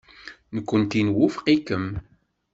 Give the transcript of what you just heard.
Nekkenti nwufeq-ikem.